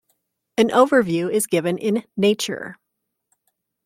An overview is given in Nature.